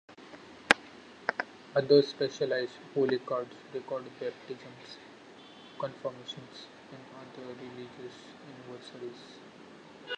Other specialized holy cards record baptisms, confirmations, and other religious anniversaries.